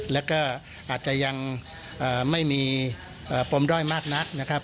แล้วก็อาจจะยังไม่มีปมด้อยมากนักนะครับ